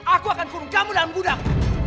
aku akan kurung kamu dalam gudang